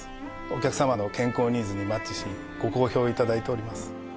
お客様の健康ニーズにマッチしご好評を頂いております。